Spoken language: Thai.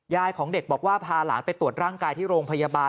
ของเด็กบอกว่าพาหลานไปตรวจร่างกายที่โรงพยาบาล